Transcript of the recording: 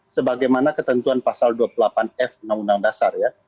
sebagaimana ketentuan pasal dua puluh delapan f undang undang dasar ya